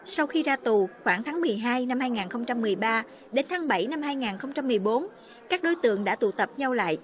sau khi ra tù khoảng tháng một mươi hai năm hai nghìn một mươi ba đến tháng bảy năm hai nghìn một mươi bốn các đối tượng đã tụ tập nhau lại